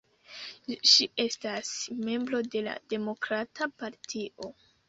Ŝi estas membro de la Demokrata Partio.